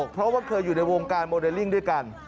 เพราะว่าเคยอยู่ในวงการโมเดลลิ่งด้วยกัน